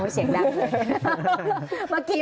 เสียงดังเลย